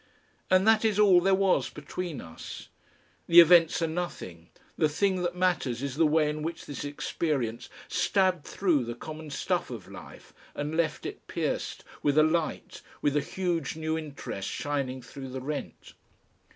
And that is all there was between us. The events are nothing, the thing that matters is the way in which this experience stabbed through the common stuff of life and left it pierced, with a light, with a huge new interest shining through the rent.